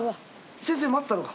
先生待ってたのか？」